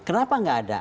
kenapa nggak ada